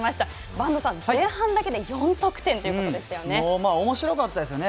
播戸さん、前半だけで４得点ということでしたよね。